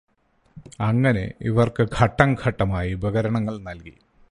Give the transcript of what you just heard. അങ്ങനെ, ഇവര്ക്ക് ഘട്ടംഘട്ടമായി ഉപകരണങ്ങള് നല്കി.